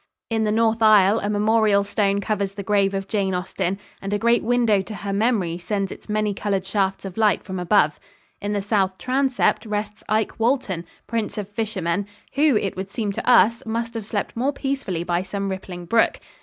In the north aisle a memorial stone covers the grave of Jane Austen and a great window to her memory sends its many colored shafts of light from above. In the south transept rests Ike Walton, prince of fishermen, who, it would seem to us, must have slept more peacefully by some rippling brook.